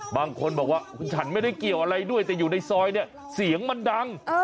บางคนบอกว่าฉันไม่ได้เกี่ยวอะไรด้วยแต่อยู่ในซอยเนี่ยเสียงมันดัง